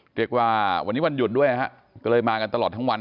เรียกว่าวันนี้วันหยุดด้วยฮะก็เลยมากันตลอดทั้งวัน